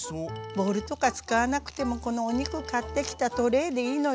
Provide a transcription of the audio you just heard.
ボウルとか使わなくてもこのお肉買ってきたトレーでいいのよ。